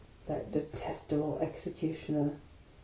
" That detestable Executioner